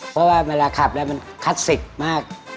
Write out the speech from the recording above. เพราะว่าเวลาขับแล้วมันคลาสสิกมาก